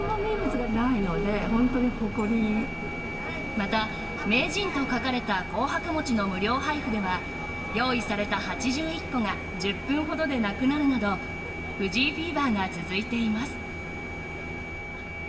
また、名人と書かれた紅白餅の無料配布では用意された８１個が１０分ほどでなくなるなど藤井フィーバーが続いています。